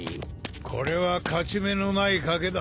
これは勝ち目のない賭けだ。